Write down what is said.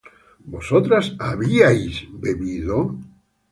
¿vosotras habíais bebido?